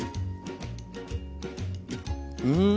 うん。